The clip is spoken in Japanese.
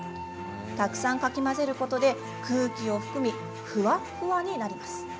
たくさんかき混ぜることで空気を含みふわっふわになります。